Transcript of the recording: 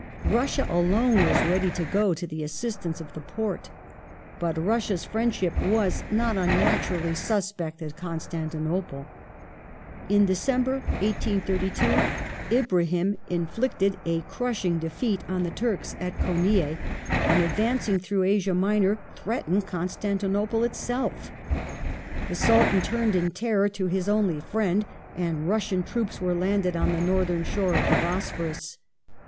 Russia alone was ready to go to the assistance of the Porte. But Russia's friendship was, not unnaturally, suspect at Constantinople. In December, 1832, Ibrahim inflicted a crushing defeat on the Turks at Konieh, and advancing through Asia Minor threatened Constantinople itself. The Sultan turned in terror to his only " friend," and Russian troops were landed on the Northern shore of the Bosphorus.